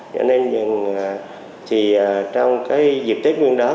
cho nên thì trong cái dịp tết nguyên đó